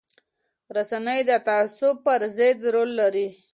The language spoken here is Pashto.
رسنۍ د تعصب پر ضد رول لري